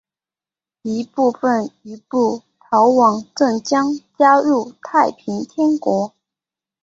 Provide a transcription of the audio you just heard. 一部分余部逃往镇江加入太平天国。